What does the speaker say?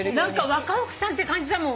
若奥さんって感じだもんこれ。